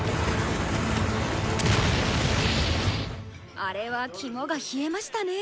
あれは肝が冷えましたね。